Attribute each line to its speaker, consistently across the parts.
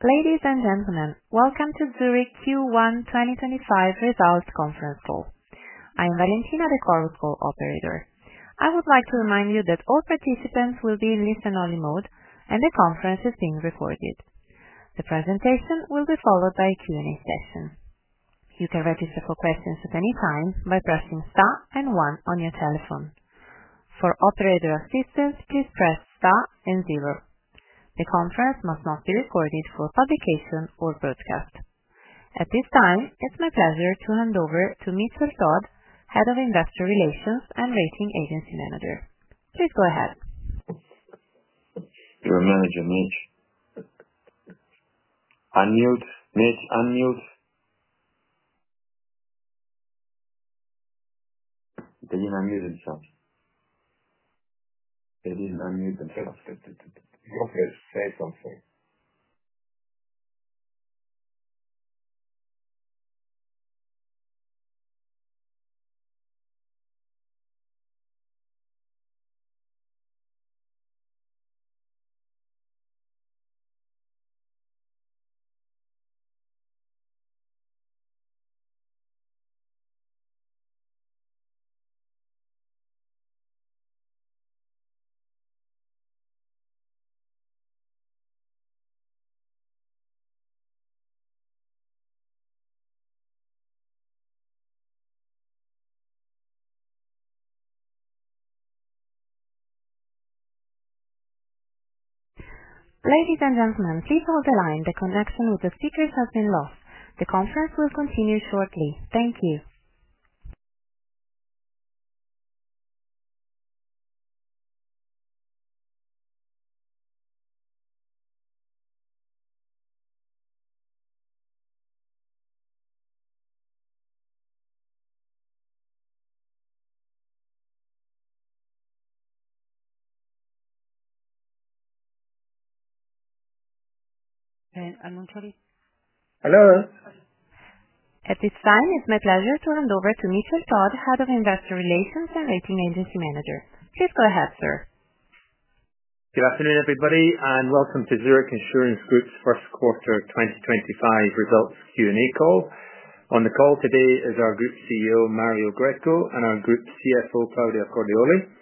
Speaker 1: Ladies and gentlemen, welcome to Zurich Q1 2025 results conference call. I am Valentina, the call operator. I would like to remind you that all participants will be in listen-only mode, and the conference is being recorded. The presentation will be followed by a Q&A session. You can register for questions at any time by pressing Star and 1 on your telephone. For operator assistance, please press Star and 0. The conference must not be recorded for publication or broadcast. At this time, it's my pleasure to hand over to Mitchell Todd, Head of Investor Relations and Rating Agency Management. Please go ahead.
Speaker 2: Your manager, Mitch. Unmute. Mitch, unmute. They didn't unmute themselves. You're first, say something.
Speaker 1: Ladies and gentlemen, please hold the line. The connection with the speakers has been lost. The conference will continue shortly. Thank you.
Speaker 2: Hello.
Speaker 1: At this time, it's my pleasure to hand over to Mitchell Todd, Head of Investor Relations and Rating Agency Management. Please go ahead, sir.
Speaker 3: Good afternoon, everybody, and welcome to Zurich Insurance Group's first quarter 2025 results Q&A call. On the call today is our Group CEO, Mario Greco, and our Group CFO, Claudia Cordioli.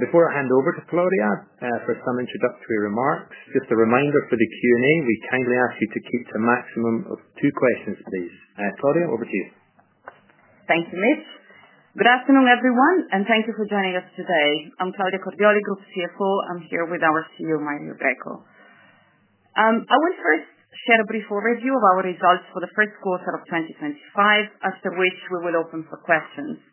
Speaker 3: Before I hand over to Claudia for some introductory remarks, just a reminder for the Q&A, we kindly ask you to keep to a maximum of two questions, please. Claudia, over to you.
Speaker 4: Thank you, Mitch. Good afternoon, everyone, and thank you for joining us today. I'm Claudia Cordioli, Group CFO. I'm here with our CEO, Mario Greco. I will first share a brief overview of our results for the first quarter of 2025, after which we will open for questions.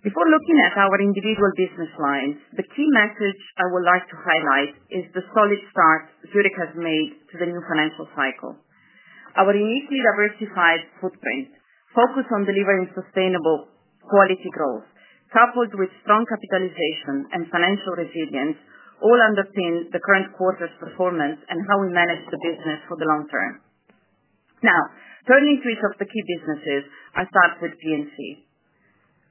Speaker 4: Before looking at our individual business lines, the key message I would like to highlight is the solid start Zurich has made to the new financial cycle. Our uniquely diversified footprint, focused on delivering sustainable quality growth, coupled with strong capitalization and financial resilience, all underpin the current quarter's performance and how we manage the business for the long term. Now, turning to each of the key businesses, I'll start with P&C.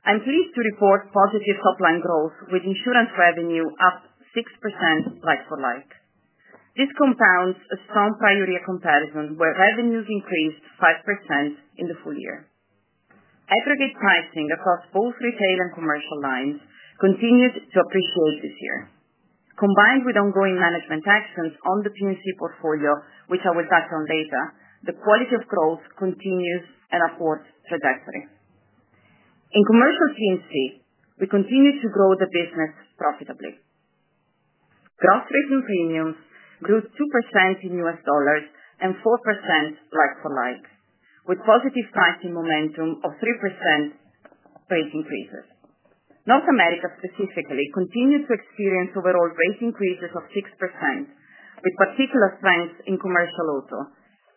Speaker 4: I'm pleased to report positive top-line growth, with insurance revenue up 6% like for like. This compounds a strong prior year comparison, where revenues increased 5% in the full year. Aggregate pricing across both retail and commercial lines continued to appreciate this year. Combined with ongoing management actions on the P&C portfolio, which I will touch on later, the quality of growth continues an upward trajectory. In commercial P&C, we continue to grow the business profitably. Gross retail premiums grew 2% in US dollars and 4% like for like, with positive pricing momentum of 3% rate increases. North America specifically continued to experience overall rate increases of 6%, with particular strength in commercial auto,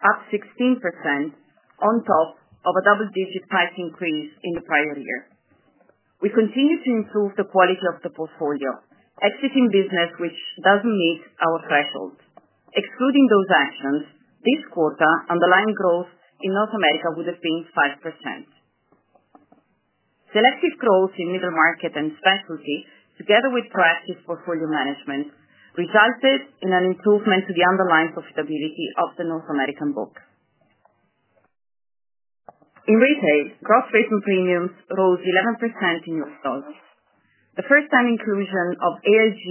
Speaker 4: up 16% on top of a double-digit price increase in the prior year. We continue to improve the quality of the portfolio, exiting business which doesn't meet our threshold. Excluding those actions, this quarter, underlying growth in North America would have been 5%. Selective growth in middle market and specialty, together with proactive portfolio management, resulted in an improvement to the underlying profitability of the North American book. In retail, gross retail premiums rose 11% in US dollars. The first-time inclusion of AIG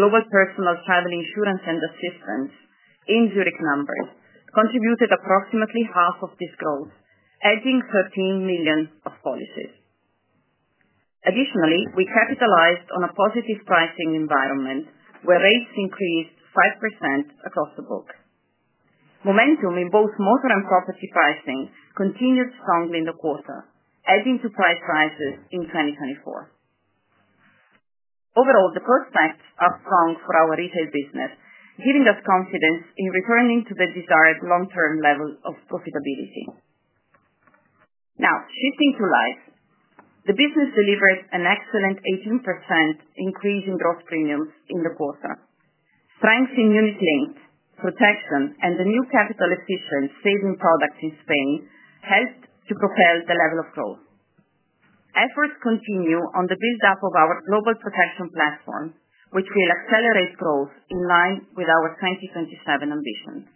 Speaker 4: global personal travel insurance and assistance in Zurich numbers contributed approximately half of this growth, adding 13 million policies. Additionally, we capitalized on a positive pricing environment, where rates increased 5% across the book. Momentum in both motor and property pricing continued strongly in the quarter, adding to price rises in 2024. Overall, the prospects are strong for our retail business, giving us confidence in returning to the desired long-term level of profitability. Now, shifting to Life, the business delivered an excellent 18% increase in gross premiums in the quarter. Strength in unit-linked, protection, and the new capital-efficient savings product in Spain helped to propel the level of growth. Efforts continue on the build-up of our global protection platform, which will accelerate growth in line with our 2027 ambitions.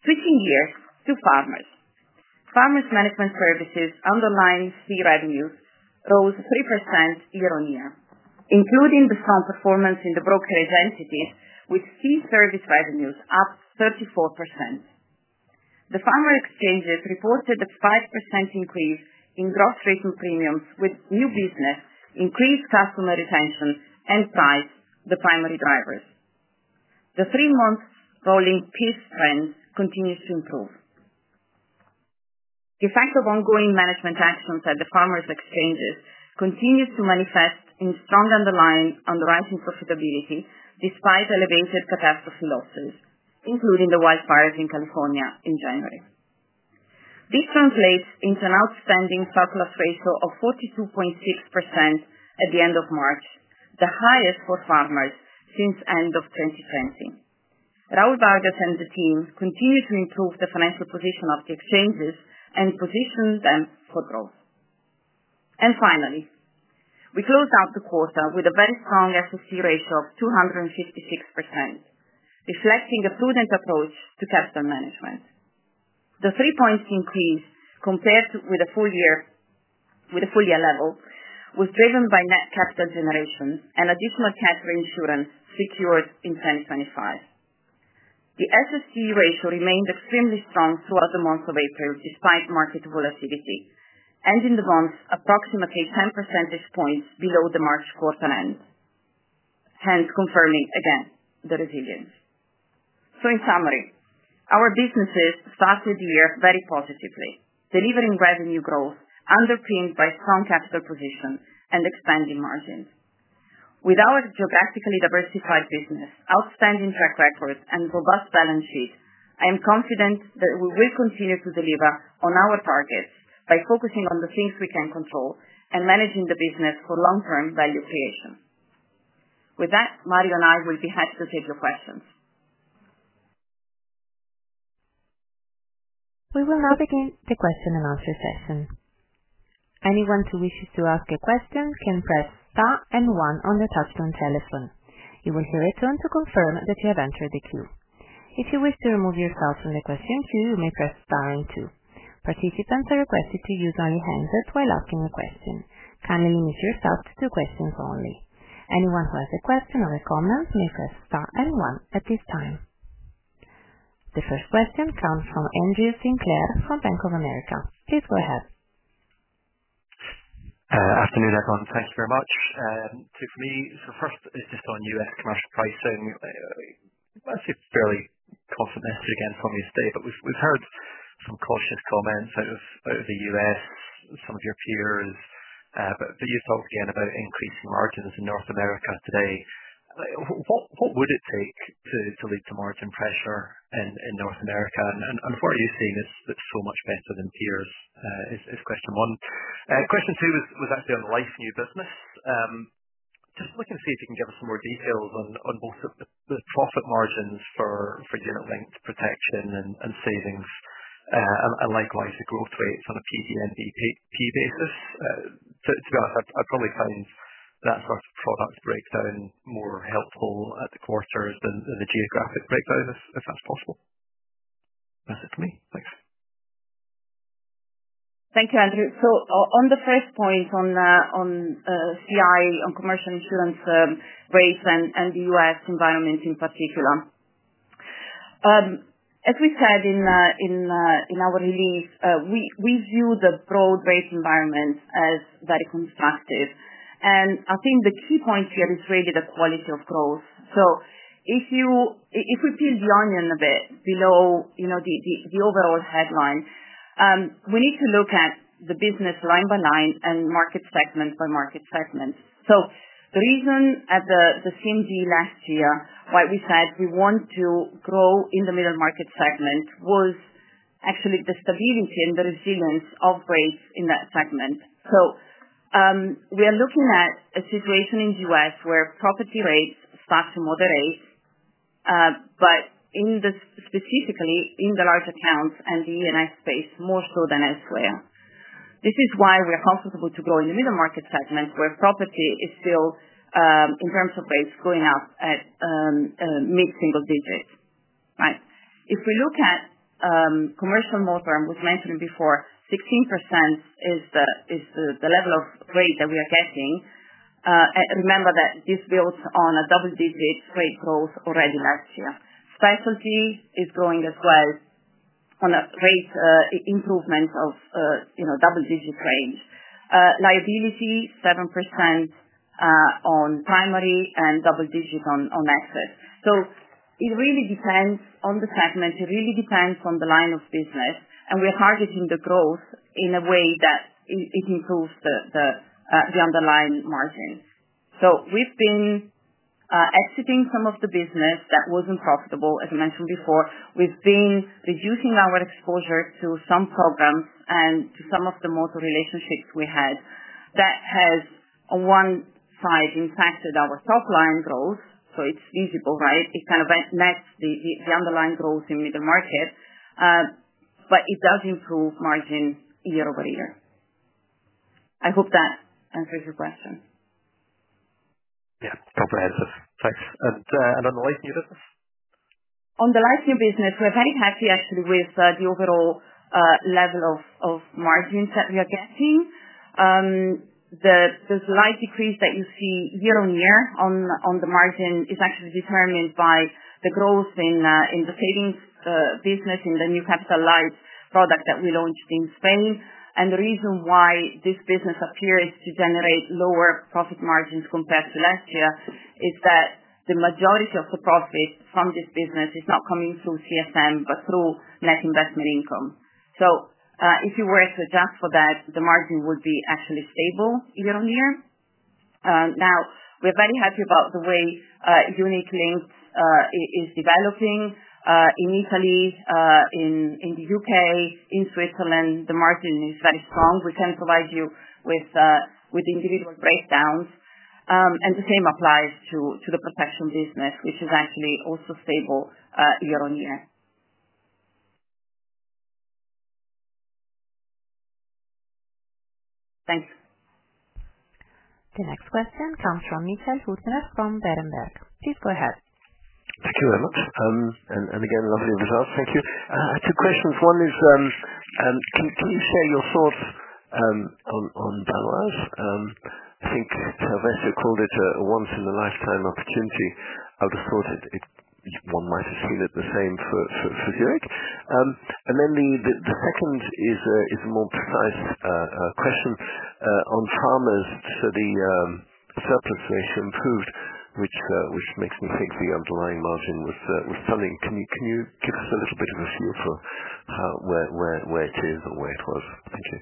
Speaker 4: Switching gears to Farmers. Farmers Management Services underlying fee revenues rose 3% year on year, including the strong performance in the brokerage entities, with fee service revenues up 34%. The Farmers Exchanges reported a 5% increase in gross written premiums, with new business, increased customer retention, and pricing the primary drivers. The three-month rolling loss trend continues to improve. The effect of ongoing management actions at the Farmers Exchanges continues to manifest in strong underlying underwriting profitability despite elevated catastrophe losses, including the wildfires in California in January. This translates into an outstanding surplus ratio of 42.6% at the end of March, the highest for Farmers since the end of 2020. Raul Vargas and the team continue to improve the financial position of the Exchanges and position them for growth. Finally, we closed out the quarter with a very strong SST ratio of 256%, reflecting a prudent approach to capital management. The three-point increase compared with a full-year level was driven by net capital generation and additional cash reinsurance secured in 2025. The SST ratio remained extremely strong throughout the month of April despite market volatility, ending the month approximately 10 percentage points below the March quarter end, hence confirming again the resilience. In summary, our businesses started the year very positively, delivering revenue growth underpinned by strong capital position and expanding margins. With our geographically diversified business, outstanding track records, and robust balance sheet, I am confident that we will continue to deliver on our targets by focusing on the things we can control and managing the business for long-term value creation. With that, Mario and I will be happy to take your questions.
Speaker 1: We will now begin the question and answer session. Anyone who wishes to ask a question can press Star and 1 on the touch-tone telephone. You will hear a tone to confirm that you have entered the queue. If you wish to remove yourself from the question queue, you may press Star and 2. Participants are requested to use only the handset while asking a question. Kindly limit yourself to questions only. Anyone who has a question or a comment may press Star and 1 at this time. The first question comes from Andrew Sinclair from Bank of America. Please go ahead.
Speaker 2: Afternoon, everyone. Thank you very much. So for me, so first is just on U.S. commercial pricing. I'd say fairly confident message again from yesterday, but we've heard some cautious comments out of the U.S., some of your peers, but you've talked again about increasing margins in North America today. What would it take to lead to margin pressure in North America? And if we're using this so much better than peers is question one. Question two was actually on life and new business. Just looking to see if you can give us some more details on both the profit margins for unit-linked protection and savings, and likewise the growth rates on a PVNBP basis. To be honest, I probably find that sort of product breakdown more helpful at the quarter than the geographic breakdown if that's possible. That's it for me. Thanks.
Speaker 4: Thank you, Andrew. So on the first point on CI, on commercial insurance rates and the U.S. environment in particular, as we said in our release, we view the broad rate environment as very constructive. And I think the key point here is really the quality of growth. So if we peel the onion a bit below the overall headline, we need to look at the business line by line and market segment by market segment. So the reason at the CMD last year why we said we want to grow in the middle market segment was actually the stability and the resilience of rates in that segment. So we are looking at a situation in the U.S. where property rates start to moderate, but specifically in the large accounts and the E&S space more so than elsewhere. This is why we are comfortable to grow in the middle market segment where property is still, in terms of rates, going up at mid-single digits. Right? If we look at commercial motor, I was mentioning before, 16% is the level of rate that we are getting. Remember that this builds on a double-digit rate growth already last year. Specialty is growing as well on a rate improvement of double-digit range. Liability, 7% on primary and double-digit on assets, so it really depends on the segment. It really depends on the line of business, and we are targeting the growth in a way that it improves the underlying margin, so we've been exiting some of the business that wasn't profitable, as I mentioned before. We've been reducing our exposure to some programs and to some of the motor relationships we had. That has, on one side, impacted our top-line growth. So it's visible, right? It kind of nets the underlying growth in middle market, but it does improve margin year over year. I hope that answers your question.
Speaker 2: Yeah, comprehensive. Thanks. And on the life new business?
Speaker 4: On the life new business, we're very happy actually with the overall level of margins that we are getting. The slight decrease that you see year on year on the margin is actually determined by the growth in the savings business in the new capital light product that we launched in Spain. And the reason why this business appears to generate lower profit margins compared to last year is that the majority of the profit from this business is not coming through CSM, but through net investment income. So if you were to adjust for that, the margin would be actually stable year on year. Now, we're very happy about the way unit-linked is developing in Italy, in the UK, in Switzerland. The margin is very strong. We can provide you with the individual breakdowns. And the same applies to the protection business, which is actually also stable year on year. Thanks.
Speaker 1: The next question comes from Michael Huttner from Berenberg. Please go ahead.
Speaker 5: Thank you very much. And again, lovely results. Thank you. Two questions. One is, can you share your thoughts on Baloise? I think Sylvester called it a once-in-a-lifetime opportunity. I would have thought one might have seen it the same for Zurich. And then the second is a more precise question on Farmers. So the Surplus Ratio improved, which makes me think the underlying margin was stunning. Can you give us a little bit of a feel for where it is or where it was? Thank you.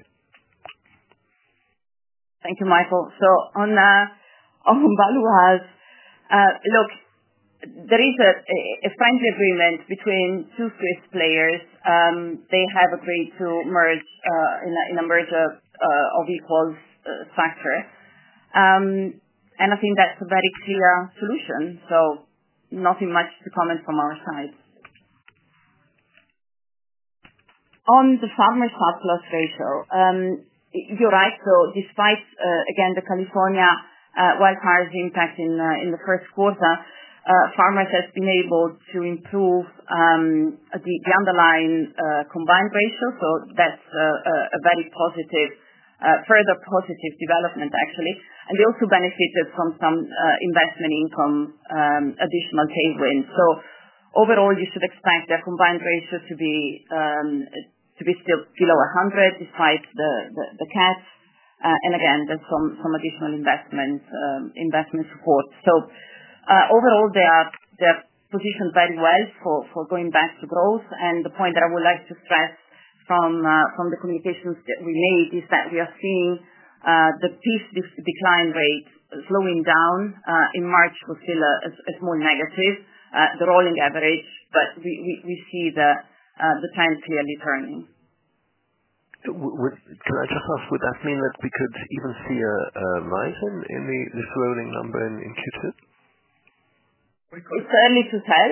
Speaker 4: Thank you, Michael. So on Baloise, look, there is a friendly agreement between two Swiss players. They have agreed to merge in a merger of equals factor. And I think that's a very clear solution. So nothing much to comment from our side. On the Farmers surplus ratio, you're right. So despite, again, the California wildfires impacting in the first quarter, Farmers have been able to improve the underlying combined ratio. So that's a very positive, further positive development, actually. And they also benefited from some investment income additional tailwinds. So overall, you should expect their combined ratio to be still below 100 despite the cuts. And again, there's some additional investment support. So overall, they are positioned very well for going back to growth. The point that I would like to stress from the communications that we made is that we are seeing the peak decline rate slowing down. In March, it was still a small negative, the rolling average, but we see the trend clearly turning.
Speaker 5: Can I just ask, would that mean that we could even see a rise in the slowing number in Q2?
Speaker 4: It's early to tell.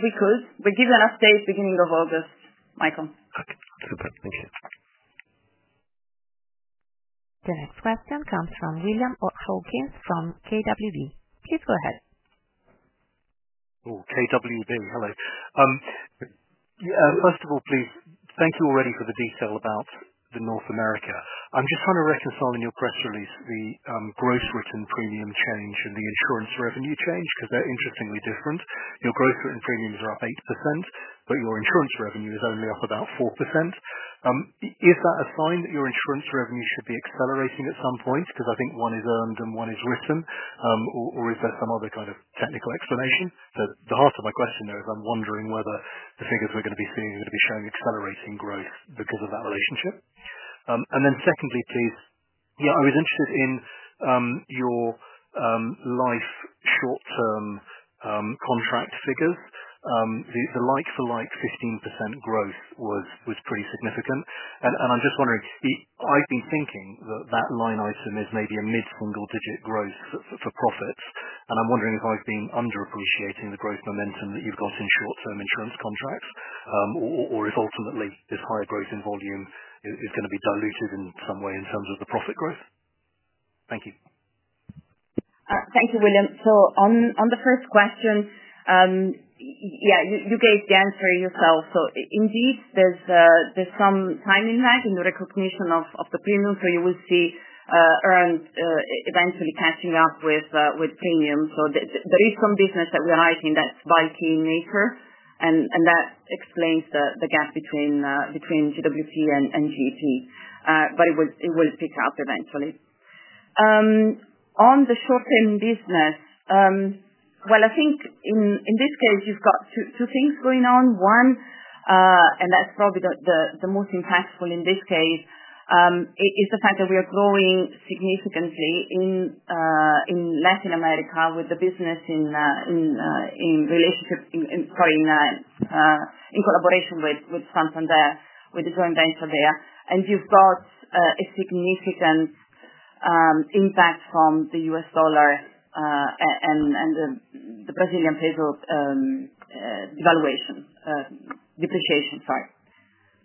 Speaker 4: We could. We'll give you an update beginning of August, Michael.
Speaker 5: Okay. Super. Thank you.
Speaker 1: The next question comes from William Hawkins from KBW. Please go ahead.
Speaker 6: Oh, KBW. Hello. First of all, please thank you already for the detail about North America. I'm just trying to reconcile in your press release the gross written premium change and the insurance revenue change because they're interestingly different. Your gross written premiums are up 8%, but your insurance revenue is only up about 4%. Is that a sign that your insurance revenue should be accelerating at some point because I think one is earned and one is written? Or is there some other kind of technical explanation? So the heart of my question there is I'm wondering whether the figures we're going to be seeing are going to be showing accelerating growth because of that relationship. And then secondly, please, yeah, I was interested in your life short-term contract figures. The like-for-like 15% growth was pretty significant. And I'm just wondering. I've been thinking that that line item is maybe a mid-single digit growth for profits. And I'm wondering if I've been underappreciating the growth momentum that you've got in short-term insurance contracts or if ultimately this higher growth in volume is going to be diluted in some way in terms of the profit growth. Thank you.
Speaker 4: Thank you, William. So on the first question, yeah, you gave the answer yourself. So indeed, there's some time impact in the recognition of the premium. So you will see earned eventually catching up with premium. So there is some business that we are liking that's bulky in nature. And that explains the gap between GWP and GEP. But it will pick up eventually. On the short-term business, well, I think in this case, you've got two things going on. One, and that's probably the most impactful in this case, is the fact that we are growing significantly in Latin America with the business in relationship, sorry, in collaboration with Santander, with the joint venture there. And you've got a significant impact from the U.S. dollar and the Brazilian real devaluation, depreciation, sorry.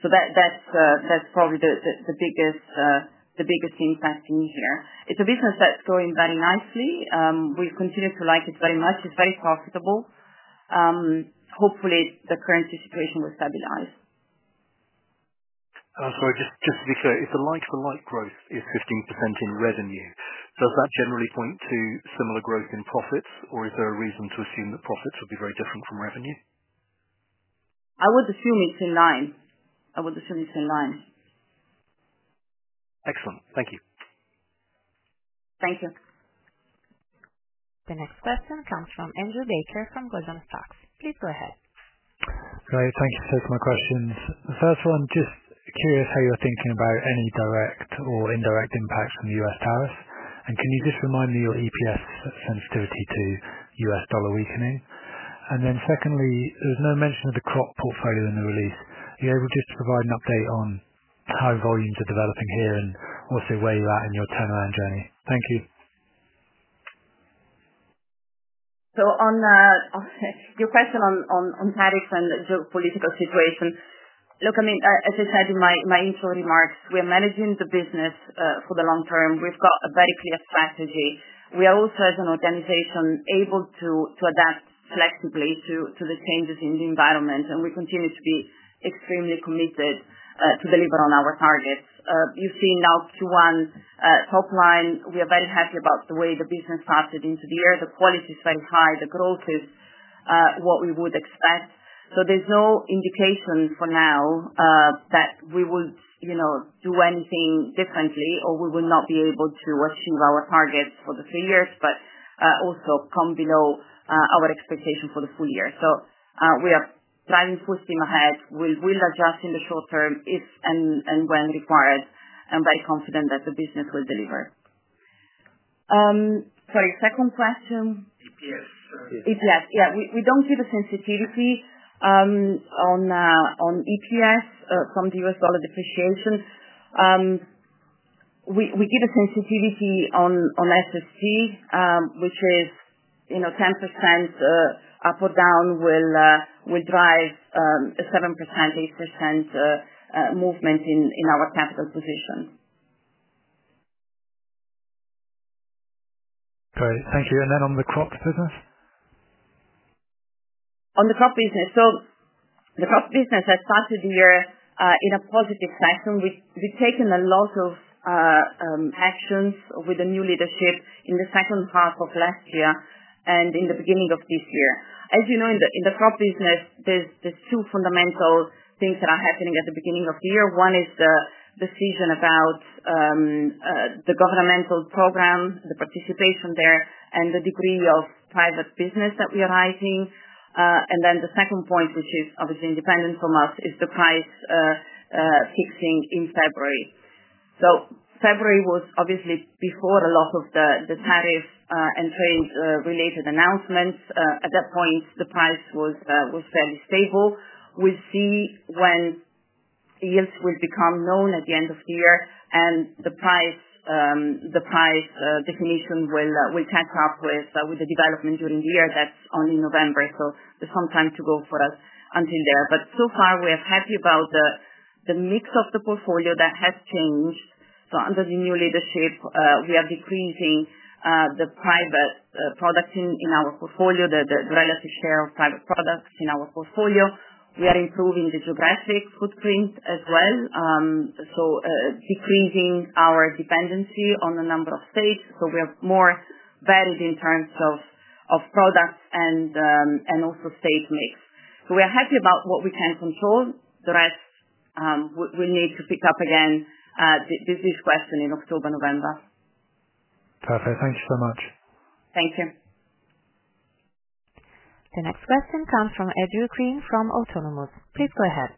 Speaker 4: So that's probably the biggest impact in here. It's a business that's growing very nicely. We continue to like it very much. It's very profitable. Hopefully, the currency situation will stabilize.
Speaker 6: Sorry, just to be clear, if the like-for-like growth is 15% in revenue, does that generally point to similar growth in profits, or is there a reason to assume that profits would be very different from revenue?
Speaker 4: I would assume it's in line.
Speaker 6: Excellent. Thank you.
Speaker 4: Thank you.
Speaker 1: The next question comes from Andrew Baker from Goldman Sachs. Please go ahead.
Speaker 7: Hi, thank you for taking my questions. The first one, just curious how you're thinking about any direct or indirect impacts from the U.S. tariffs? And can you just remind me your EPS sensitivity to U.S. dollar weakening? And then secondly, there was no mention of the crop portfolio in the release. Are you able just to provide an update on how volumes are developing here and also where you're at in your turnaround journey? Thank you.
Speaker 4: So on your question on tariffs and the geopolitical situation, look, I mean, as I said in my intro remarks, we are managing the business for the long term. We've got a very clear strategy. We are also, as an organization, able to adapt flexibly to the changes in the environment. And we continue to be extremely committed to deliver on our targets. You see now Q1 top line, we are very happy about the way the business started into the year. The quality is very high. The growth is what we would expect. So there's no indication for now that we would do anything differently or we will not be able to achieve our targets for the three years, but also come below our expectation for the full year. So we are driving full steam ahead. We'll adjust in the short term if and when required and very confident that the business will deliver. Sorry, second question. EPS. EPS. Yeah. We don't give a sensitivity on EPS from the U.S. dollar depreciation. We give a sensitivity on SST, which is 10% up or down will drive a 7%, 8% movement in our capital position.
Speaker 7: Great. Thank you, and then on the crop business?
Speaker 4: On the crop business, so the crop business has started the year in a positive fashion. We've taken a lot of actions with the new leadership in the second half of last year and in the beginning of this year. As you know, in the crop business, there's two fundamental things that are happening at the beginning of the year. One is the decision about the governmental program, the participation there, and the degree of private business that we are writing. And then the second point, which is obviously independent from us, is the price fixing in February. So February was obviously before a lot of the tariff and trade-related announcements. At that point, the price was fairly stable. We'll see when yields will become known at the end of the year and the price definition will catch up with the development during the year. That's only November. So there's some time to go for us until there. But so far, we are happy about the mix of the portfolio that has changed. So under the new leadership, we are decreasing the private product in our portfolio, the relative share of private products in our portfolio. We are improving the geographic footprint as well. So decreasing our dependency on a number of states. So we are more varied in terms of products and also state mix. So we are happy about what we can control. The rest, we'll need to pick up again this question in October, November.
Speaker 7: Perfect. Thank you so much.
Speaker 4: Thank you.
Speaker 1: The next question comes from Andrew Crean from Autonomous. Please go ahead.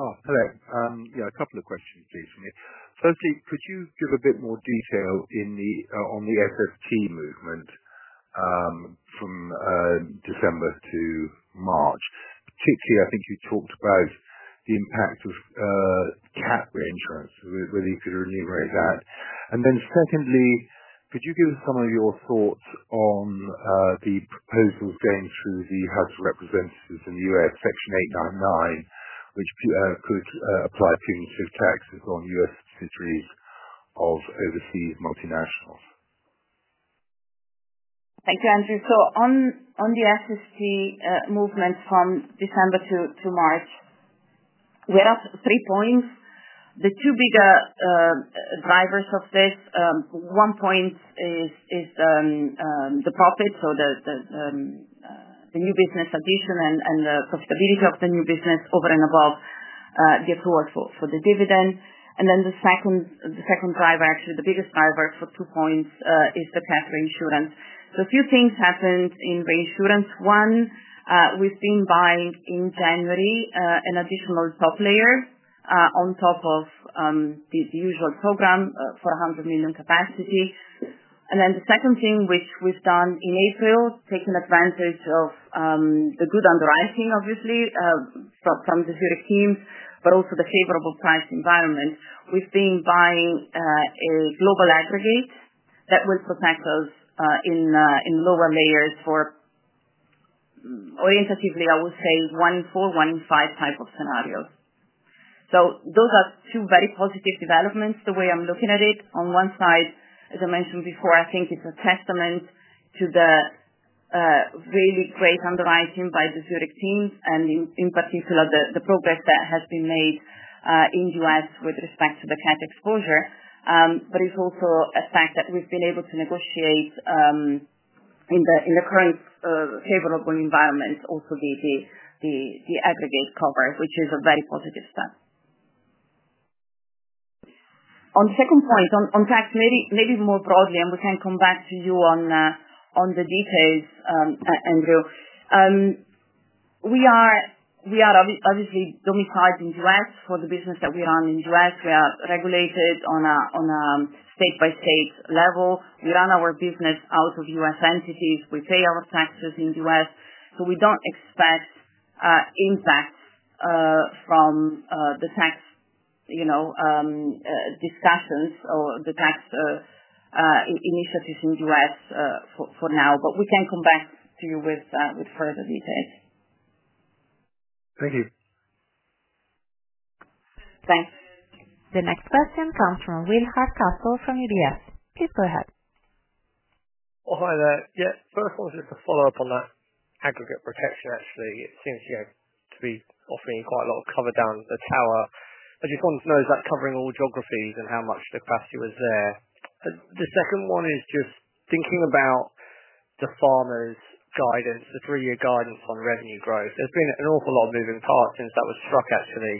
Speaker 8: Oh, hello. Yeah, a couple of questions, please, for me. Firstly, could you give a bit more detail on the SST movement from December to March? Particularly, I think you talked about the impact of cat reinsurance, whether you could reiterate that. And then secondly, could you give some of your thoughts on the proposals going through the House of Representatives in the U.S., Section 899, which could apply punitive taxes on U.S. subsidiaries of overseas multinationals?
Speaker 4: Thank you, Andrew. So on the SST movement from December to March, we have three points. The two bigger drivers of this, one point is the profit, so the new business addition and the profitability of the new business over and above the accrual for the dividend. And then the second driver, actually the biggest driver for two points, is the cat reinsurance. So a few things happened in reinsurance. One, we've been buying in January an additional top layer on top of the usual program for 100 million capacity. And then the second thing, which we've done in April, taking advantage of the good underwriting, obviously, from the Zurich teams, but also the favorable price environment, we've been buying a global aggregate that will protect us in lower layers for illustratively, I would say, one in four, one in five type of scenarios. So those are two very positive developments, the way I'm looking at it. On one side, as I mentioned before, I think it's a testament to the really great underwriting by the Zurich teams and in particular the progress that has been made in the U.S. with respect to the cat exposure. But it's also a fact that we've been able to negotiate in the current favorable environment, also the aggregate cover, which is a very positive step. On the second point, on tax, maybe more broadly, and we can come back to you on the details, Andrew. We are obviously domiciled in the U.S. for the business that we run in the U.S. We are regulated on a state-by-state level. We run our business out of U.S. entities. We pay our taxes in the U.S. So we don't expect impact from the tax discussions or the tax initiatives in the U.S. for now. But we can come back to you with further details.
Speaker 8: Thank you.
Speaker 4: Thanks.
Speaker 1: The next question comes from Will Hardcastle from UBS. Please go ahead.
Speaker 9: Oh, hi there. Yeah, first of all, just to follow up on that aggregate cover, actually. It seems to be offering you quite a lot of cover down the tower. I just wanted to know, is that covering all geographies and how much capacity was there? The second one is just thinking about the Farmers' guidance, the three-year guidance on revenue growth. There's been an awful lot of moving parts since that was struck, actually.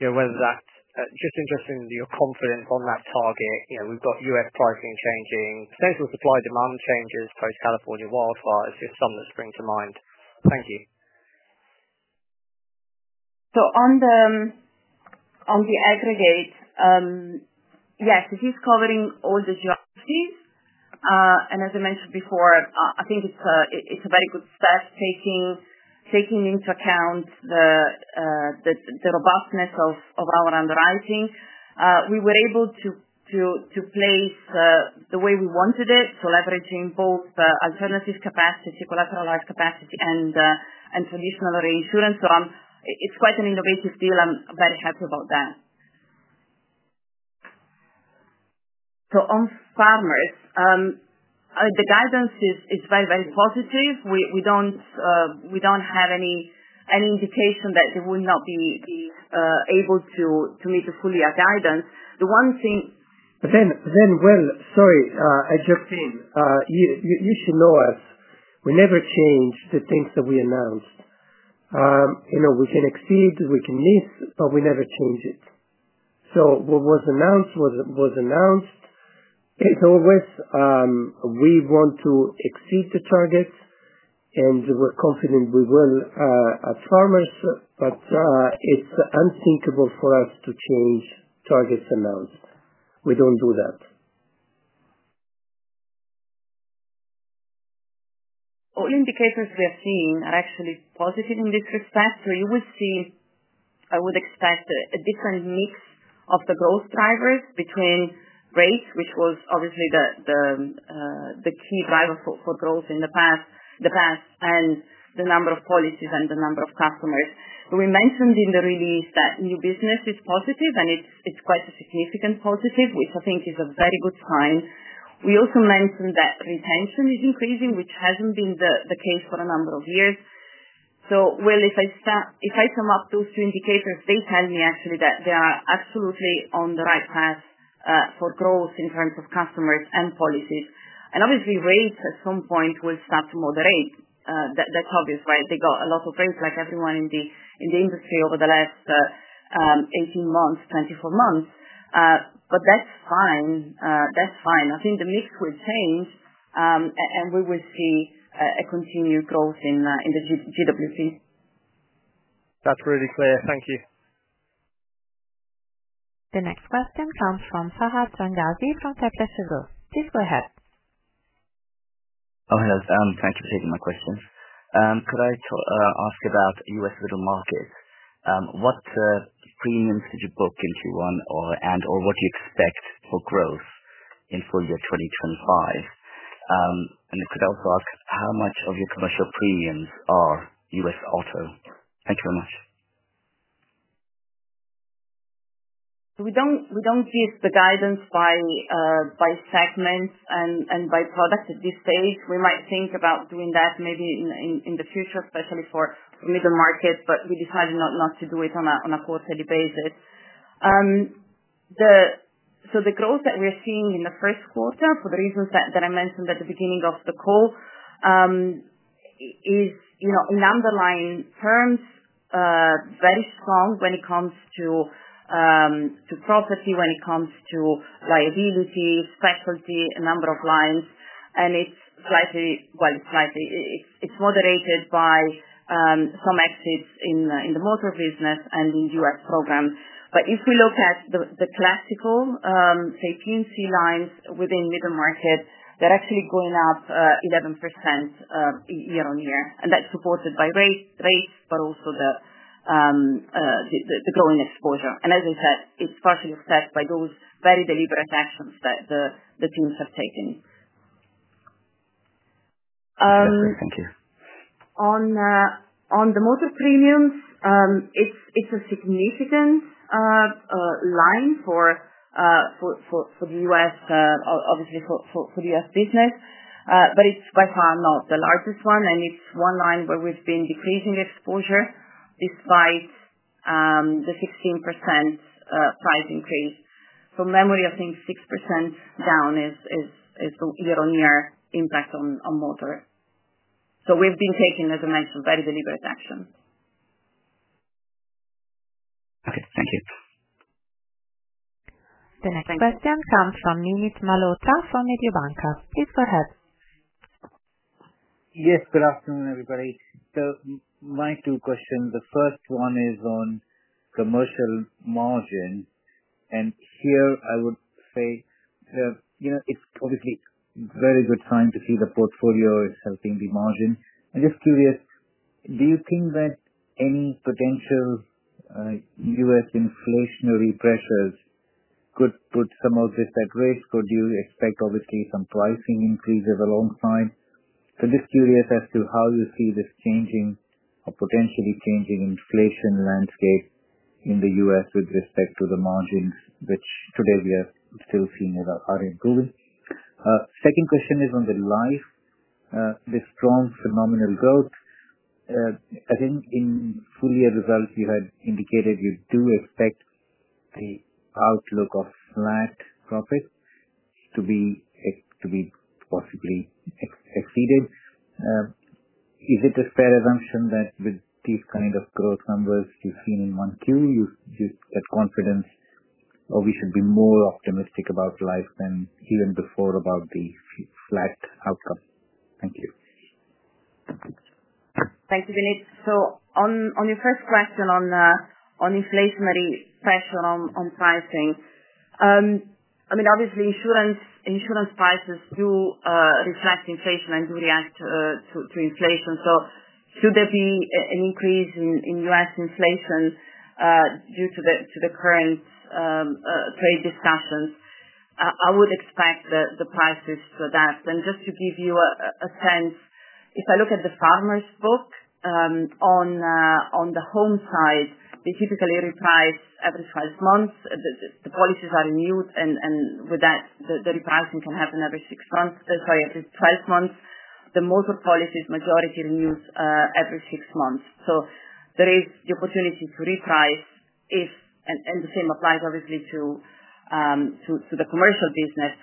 Speaker 9: Just interested in your confidence on that target. We've got U.S. pricing changing, potential supply demand changes post-California wildfires. Just some that spring to mind. Thank you.
Speaker 4: So on the aggregate, yes, it is covering all the geographies. And as I mentioned before, I think it's a very good step taking into account the robustness of our underwriting. We were able to place the way we wanted it, so leveraging both alternative capacity, collateralized capacity, and traditional reinsurance. So it's quite an innovative deal. I'm very happy about that. So on Farmers, the guidance is very, very positive. We don't have any indication that they will not be able to meet fully our guidance. The one thing.
Speaker 10: Then, Will, sorry, I jumped in. You should know us. We never change the things that we announced. We can exceed, we can miss, but we never change it. So what was announced was announced. As always, we want to exceed the target, and we're confident we will as Farmers, but it's unthinkable for us to change targets announced. We don't do that.
Speaker 4: All indicators we are seeing are actually positive in this respect. So you will see, I would expect, a different mix of the growth drivers between rates, which was obviously the key driver for growth in the past, and the number of policies and the number of customers. We mentioned in the release that new business is positive, and it's quite a significant positive, which I think is a very good sign. We also mentioned that retention is increasing, which hasn't been the case for a number of years. So, Will, if I sum up those two indicators, they tell me actually that they are absolutely on the right path for growth in terms of customers and policies. And obviously, rates at some point will start to moderate. That's obvious, right? They got a lot of rates, like everyone in the industry over the last 18 months, 24 months. But that's fine. That's fine. I think the mix will change, and we will see a continued growth in the GWP.
Speaker 9: That's really clear. Thank you.
Speaker 1: The next question comes from Fahad Changazi from Kepler Cheuvreux. Please go ahead.
Speaker 11: Hello, thank you for taking my question. Could I ask about U.S. middle markets? What premiums did you book in Q1 and/or what do you expect for growth in full year 2025? And could I also ask how much of your commercial premiums are U.S. auto? Thank you very much.
Speaker 4: We don't give the guidance by segments and by product at this stage. We might think about doing that maybe in the future, especially for middle markets, but we decided not to do it on a quarterly basis. So the growth that we are seeing in the first quarter, for the reasons that I mentioned at the beginning of the call, is in underlying terms very strong when it comes to property, when it comes to liability, specialty, a number of lines. And it's slightly, well, it's moderated by some exits in the motor business and in the U.S. program. But if we look at the classical, say, P&C lines within middle market, they're actually going up 11% year on year. And that's supported by rates, but also the growing exposure. And as I said, it's partially affected by those very deliberate actions that the teams have taken.
Speaker 11: Excellent. Thank you.
Speaker 4: On the motor premiums, it's a significant line for the U.S., obviously for the U.S. business, but it's by far not the largest one. And it's one line where we've been decreasing exposure despite the 16% price increase. From memory, I think 6% down is the year-on-year impact on motor. So we've been taking, as I mentioned, very deliberate action.
Speaker 11: Okay. Thank you.
Speaker 1: The next question comes from Vinit Malhotra from Mediobanca. Please go ahead.
Speaker 12: Yes, good afternoon, everybody. So my two questions. The first one is on commercial margin. And here, I would say it's obviously a very good sign to see the portfolio is helping the margin. I'm just curious, do you think that any potential U.S. inflationary pressures could put some of this at risk, or do you expect obviously some pricing increases alongside? So I'm just curious as to how you see this changing or potentially changing inflation landscape in the U.S. with respect to the margins, which today we are still seeing are improving. Second question is on the life, the strong phenomenal growth. I think in full year results, you had indicated you do expect the outlook of flat profits to be possibly exceeded. Is it a fair assumption that with these kind of growth numbers you've seen in 1Q, you get confidence, or we should be more optimistic about life than even before about the flat outcome? Thank you.
Speaker 4: Thank you, Vinit. So on your first question on inflationary pressure on pricing, I mean, obviously, insurance prices do reflect inflation and do react to inflation. So should there be an increase in U.S. inflation due to the current trade discussions, I would expect the prices to adapt. And just to give you a sense, if I look at the Farmers' book on the home side, they typically reprice every 12 months. The policies are renewed, and with that, the repricing can happen every 6 months, sorry, every 12 months. The motor policies, majority renews every 6 months. So there is the opportunity to reprice, and the same applies obviously to the commercial business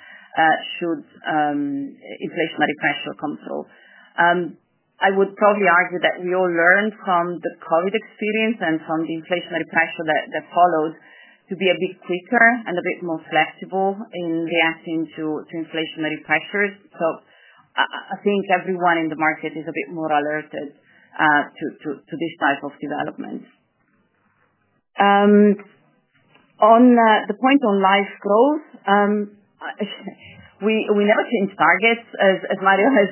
Speaker 4: should inflationary pressure come through. I would probably argue that we all learned from the COVID experience and from the inflationary pressure that followed to be a bit quicker and a bit more flexible in reacting to inflationary pressures. So I think everyone in the market is a bit more alerted to this type of development. On the point on life growth, we never change targets, as Mario has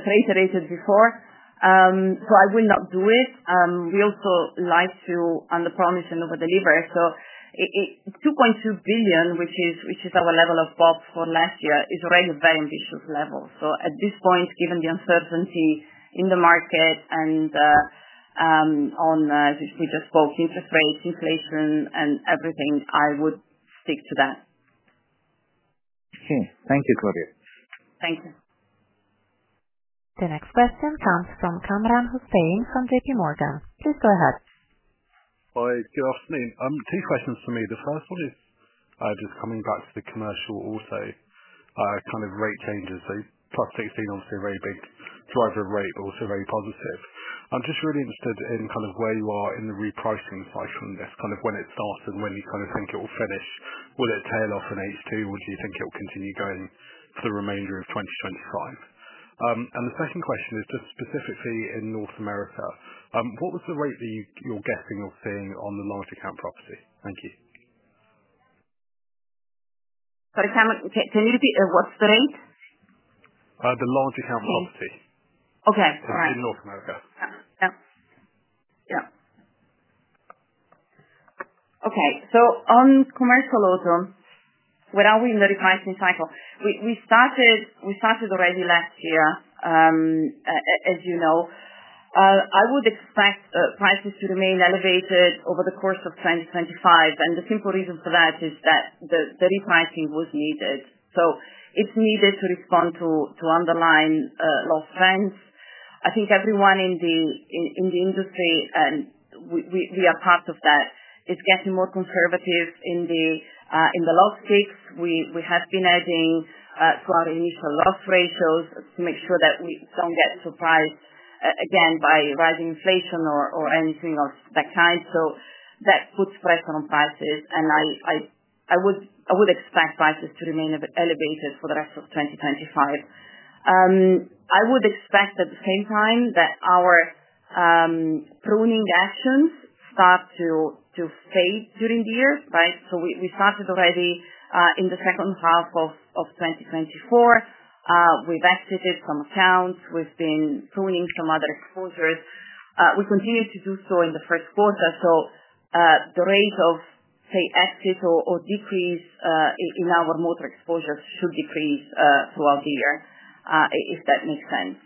Speaker 4: reiterated before. So I will not do it. We also like to underpromise and overdeliver. So 2.2 billion, which is our level of BOP for last year, is already a very ambitious level. So at this point, given the uncertainty in the market and on, as we just spoke, interest rates, inflation, and everything, I would stick to that.
Speaker 12: Okay. Thank you, Claudia.
Speaker 4: Thank you.
Speaker 1: The next question comes from Kamran Hossain from J.P. Morgan. Please go ahead.
Speaker 13: Hi, good afternoon. Two questions for me. The first one is just coming back to the commercial auto kind of rate changes. So plus 16%, obviously, a very big driver of rate, also very positive. I'm just really interested in kind of where you are in the repricing cycle and this, kind of when it starts and when you kind of think it will finish. Will it tail off in H2, or do you think it will continue going for the remainder of 2025? And the second question is just specifically in North America. What was the rate that you're guessing you're seeing on the larger-cap property? Thank you.
Speaker 4: Sorry, can you repeat? What's the rate?
Speaker 13: The larger-cap property.
Speaker 4: Okay. All right.
Speaker 13: In North America.
Speaker 4: Yeah. Yeah. Yeah. Okay. So on commercial auto, where are we in the repricing cycle? We started already last year, as you know. I would expect prices to remain elevated over the course of 2025. And the simple reason for that is that the repricing was needed. So it's needed to respond to underlying loss trends. I think everyone in the industry, and we are part of that, is getting more conservative in the loss picks. We have been adding to our initial loss ratios to make sure that we don't get surprised again by rising inflation or anything of that kind. So that puts pressure on prices. And I would expect prices to remain elevated for the rest of 2025. I would expect at the same time that our pricing actions start to fade during the year, right? So we started already in the second half of 2024. We've exited some accounts. We've been pruning some other exposures. We continue to do so in the first quarter. So the rate of, say, exit or decrease in our motor exposures should decrease throughout the year, if that makes sense.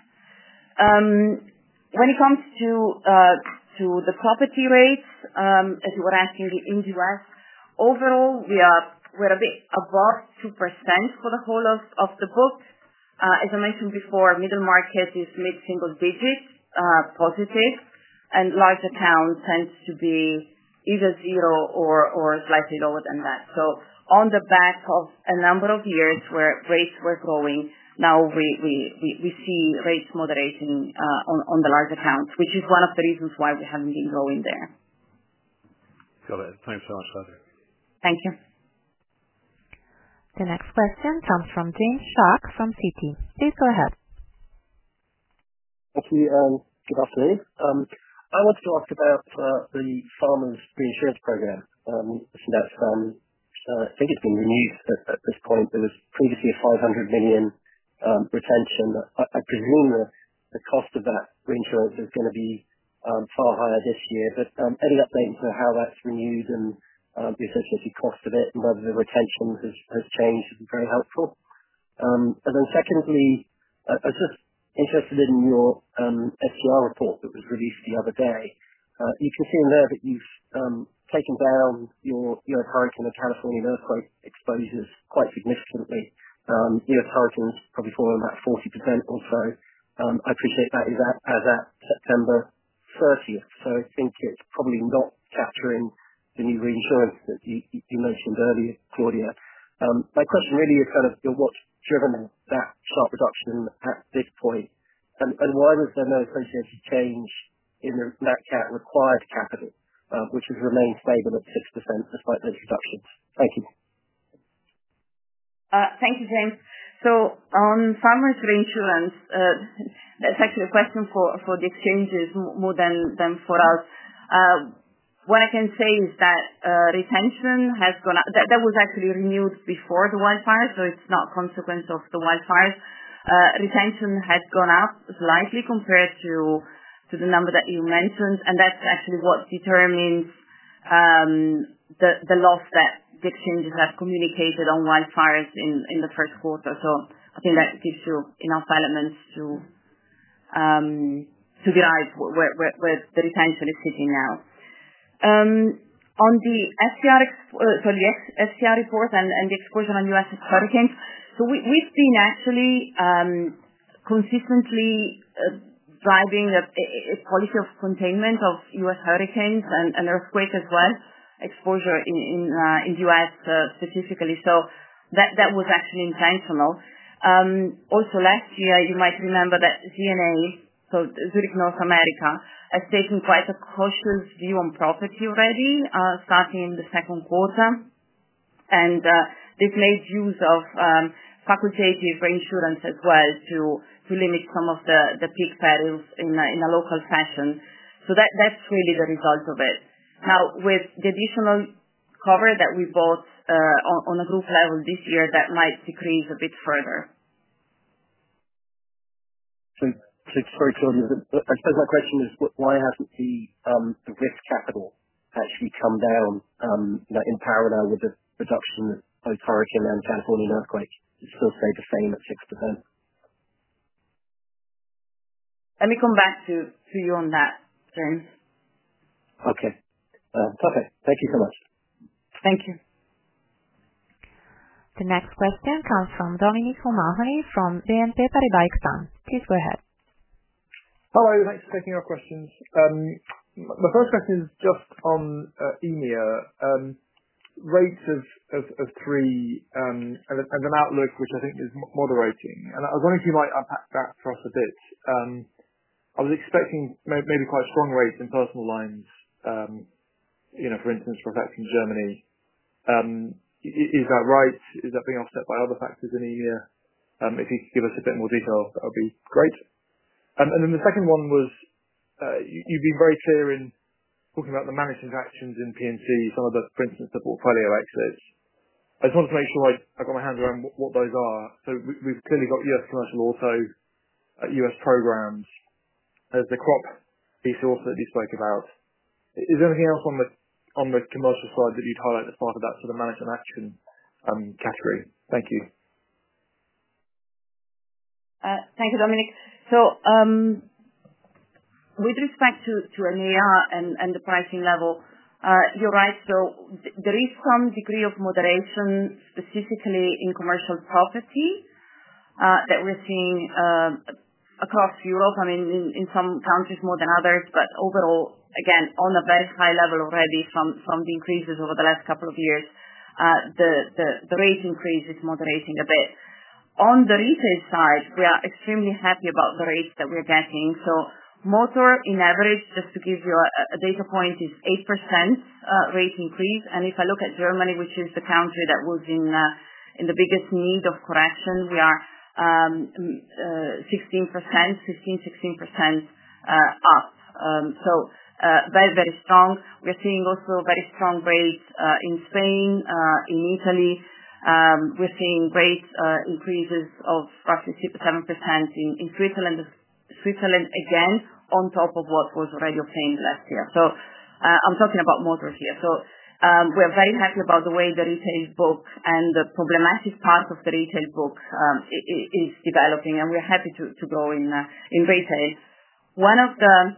Speaker 4: When it comes to the property rates, as you were asking, in the U.S., overall, we're a bit above 2% for the whole of the book. As I mentioned before, middle market is mid-single digit positive, and large accounts tend to be either zero or slightly lower than that. So on the back of a number of years where rates were growing, now we see rates moderating on the large accounts, which is one of the reasons why we haven't been growing there.
Speaker 13: Got it. Thanks so much, Heather.
Speaker 4: Thank you.
Speaker 1: The next question comes from James Shuck from Citi. Please go ahead.
Speaker 14: Thank you. Good afternoon. I want to talk about the Farmers' reinsurance program. I think it's been renewed at this point. There was previously a $500 million retention. I presume the cost of that reinsurance is going to be far higher this year, but any updates on how that's renewed and the associated cost of it and whether the retention has changed is very helpful, and then secondly, I was just interested in your SST report that was released the other day. You can see in there that you've taken down your hurricane and California earthquake exposures quite significantly. Your hurricane's probably fallen about 40% or so. I appreciate that as at September 30th. So I think it's probably not capturing the new reinsurance that you mentioned earlier, Claudia. My question really is kind of what's driven that sharp reduction at this point, and why was there no associated change in the required capital, which has remained stable at 6% despite those reductions? Thank you.
Speaker 4: Thank you, James. So on Farmers' reinsurance, that's actually a question for the Exchanges more than for us. What I can say is that retention has gone up. That was actually renewed before the wildfires, so it's not a consequence of the wildfires. Retention has gone up slightly compared to the number that you mentioned, and that's actually what determines the loss that the Exchanges have communicated on wildfires in the first quarter. So I think that gives you enough elements to derive where the retention is sitting now. On the SST report and the exposure on U.S. hurricanes, so we've been actually consistently driving a policy of containment of U.S. hurricanes and earthquakes as well, exposure in the U.S. specifically. So that was actually intentional. Also, last year, you might remember that ZNA, so Zurich North America, has taken quite a cautious view on property already starting in the second quarter. And this made use of facultative reinsurance as well to limit some of the peak perils in a local fashion. So that's really the result of it. Now, with the additional cover that we bought on a group level this year, that might decrease a bit further.
Speaker 14: Thanks. Sorry, Claudia. I suppose my question is, why hasn't the risk capital actually come down in parallel with the reduction of both hurricane and California earthquake? It still stayed the same at 6%.
Speaker 4: Let me come back to you on that, James.
Speaker 14: Okay. Perfect. Thank you so much.
Speaker 4: Thank you.
Speaker 1: The next question comes from Dominic O'Mahony from BNP Paribas Exane. Please go ahead.
Speaker 15: Hello. Thanks for taking our questions. My first question is just on EMEA, rates of three, and an outlook which I think is moderating, and I was wondering if you might unpack that for us a bit. I was expecting maybe quite strong rates in personal lines, for instance, reflecting Germany. Is that right? Is that being offset by other factors in EMEA? If you could give us a bit more detail, that would be great, and then the second one was you've been very clear in talking about the management actions in P&C, some of the, for instance, the portfolio exits. I just wanted to make sure I got my hands around what those are, so we've clearly got U.S. commercial auto, U.S. programs, there's the crop piece also that you spoke about. Is there anything else on the commercial side that you'd highlight as part of that sort of management action category? Thank you.
Speaker 4: Thank you, Dominic. So with respect to EMEA and the pricing level, you're right. So there is some degree of moderation specifically in commercial property that we're seeing across Europe. I mean, in some countries more than others, but overall, again, on a very high level already from the increases over the last couple of years, the rate increase is moderating a bit. On the retail side, we are extremely happy about the rates that we are getting. So motor, on average, just to give you a data point, is 8% rate increase. And if I look at Germany, which is the country that was in the biggest need of correction, we are 16%, 15%-16% up. So very, very strong. We are seeing also very strong rates in Spain, in Italy. We're seeing rate increases of roughly 7% in Switzerland again, on top of what was already obtained last year. So I'm talking about motor here. So we are very happy about the way the retail book and the problematic part of the retail book is developing, and we're happy to grow in retail. One of the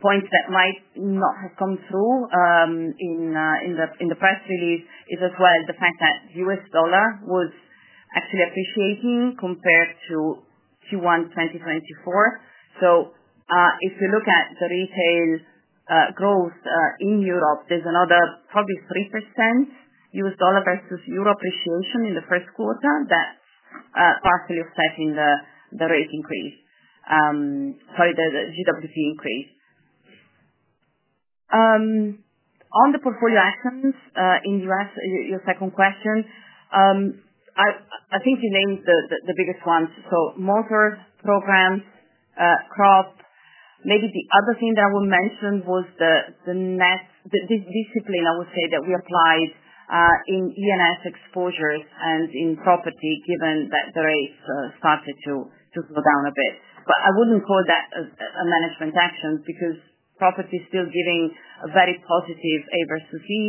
Speaker 4: points that might not have come through in the press release is as well the fact that U.S. dollar was actually appreciating compared to Q1 2024. So if you look at the retail growth in Europe, there's another probably 3% U.S. dollar versus euro appreciation in the first quarter that's partially affecting the rate increase, sorry, the GWP increase. On the portfolio actions in the U.S., your second question, I think you named the biggest ones. So motor programs, crop. Maybe the other thing that I will mention was the discipline, I would say, that we applied in E&S exposures and in property, given that the rates started to slow down a bit. But I wouldn't call that a management action because property is still giving a very positive A versus E.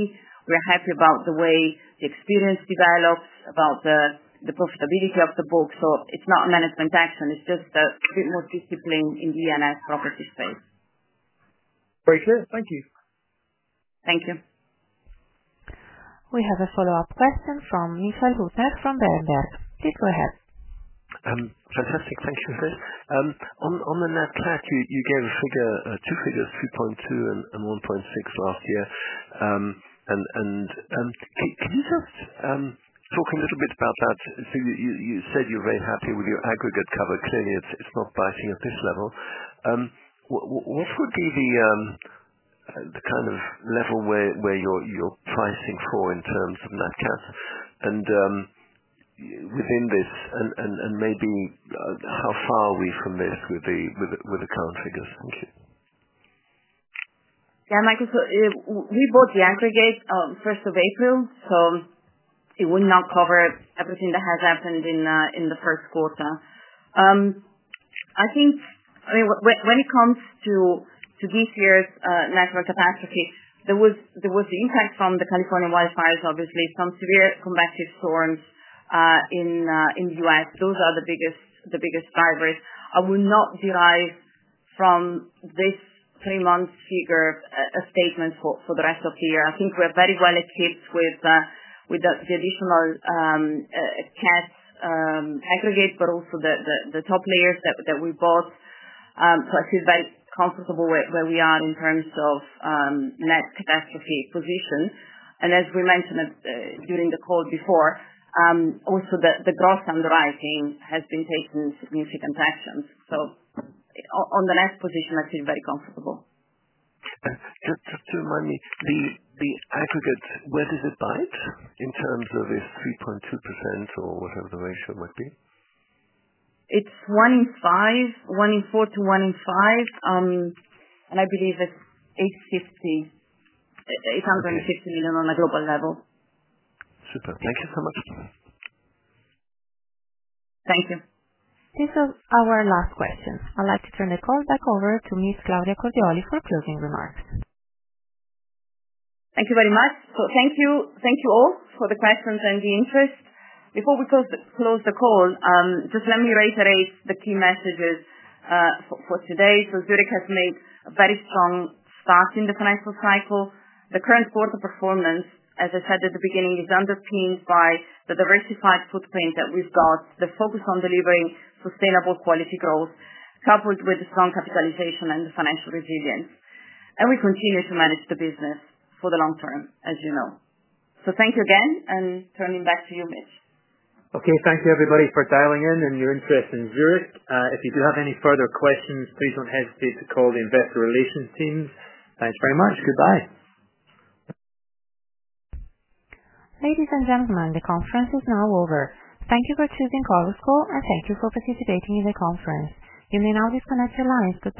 Speaker 4: We're happy about the way the experience develops, about the profitability of the book. So it's not a management action. It's just a bit more discipline in the E&S property space.
Speaker 15: Very clear. Thank you.
Speaker 4: Thank you.
Speaker 1: We have a follow-up question from Michael Huttner from Berenberg. Please go ahead.
Speaker 5: Fantastic. Thank you for this. On the net cut, you gave a figure, two figures, 3.2 and 1.6 last year, and could you just talk a little bit about that, so you said you're very happy with your aggregate cover. Clearly, it's not biting at this level. What would be the kind of level where you're pricing for in terms of net cut and within this, and maybe how far are we from this with the current figures? Thank you.
Speaker 4: Yeah. We bought the aggregate on 1st of April, so it will now cover everything that has happened in the first quarter. I mean, when it comes to this year's natural catastrophe, there was the impact from the California wildfires, obviously, some severe convective storms in the U.S. Those are the biggest drivers. I will not derive from this three-month figure a statement for the rest of the year. I think we're very well equipped with the additional cats aggregate, but also the top layers that we bought. So I feel very comfortable where we are in terms of net catastrophe position. And as we mentioned during the call before, also the gross underwriting has been taking significant actions. So on the net position, I feel very comfortable.
Speaker 5: Just to remind me, the aggregate, where does it bite in terms of its 3.2% or whatever the ratio might be?
Speaker 4: It's one in five, one in four to one in five. And I believe it's 850 million on a global level.
Speaker 5: Super. Thank you so much.
Speaker 4: Thank you.
Speaker 1: This is our last question. I'd like to turn the call back over to Miss Claudia Cordioli for closing remarks.
Speaker 4: Thank you very much. So thank you all for the questions and the interest. Before we close the call, just let me reiterate the key messages for today. So Zurich has made a very strong start in the financial cycle. The current quarter performance, as I said at the beginning, is underpinned by the diversified footprint that we've got, the focus on delivering sustainable quality growth, coupled with strong capitalization and financial resilience. And we continue to manage the business for the long term, as you know. So thank you again, and turning back to you, Mitch.
Speaker 3: Okay. Thank you, everybody, for dialing in and your interest in Zurich. If you do have any further questions, please don't hesitate to call the investor relations teams. Thanks very much. Goodbye.
Speaker 1: Ladies and gentlemen, the conference is now over. Thank you for choosing Chorus Call, and thank you for participating in the conference. You may now disconnect your lines too.